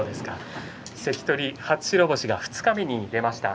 関取、初白星が二日目に出ました。